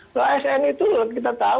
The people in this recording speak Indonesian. kalau asn itu kita tahu